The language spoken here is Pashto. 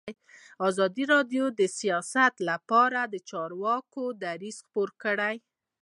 ازادي راډیو د سیاست لپاره د چارواکو دریځ خپور کړی.